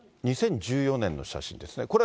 ２０１４年の写真ですね。